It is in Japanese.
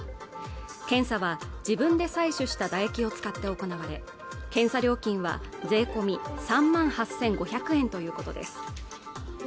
検査は自分で採取した唾液を使って行われ検査料金は税込み３万８５００円ということです